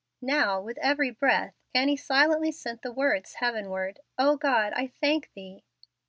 Now with every breath Annie silently sent the words heavenward, "O God, I thank thee."